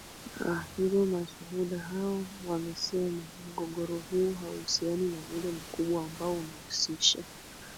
a hivyo mashuhuda hao wamesema mgogoro huo hauhusiani na ule mkubwa ambao unahusisha